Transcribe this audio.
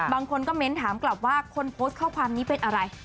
บางคนก็เม้นถามกลับว่าคนโพสต์ข้อความนี้เป็นอะไร